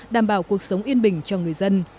đảm bảo cuộc sống yên bình cho người dân